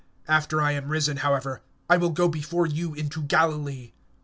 (28)But after I am risen, I will go before you into Galilee.